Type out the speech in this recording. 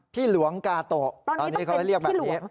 หลวงกาโตะตอนนี้เขาเรียกแบบนี้